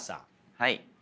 はい。